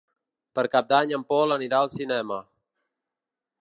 Per Cap d'Any en Pol anirà al cinema.